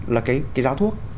là cái giáo thuốc